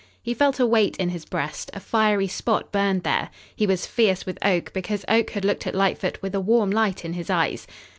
He felt a weight in his breast; a fiery spot burned there. He was fierce with Oak because Oak had looked at Lightfoot with a warm light in his eyes.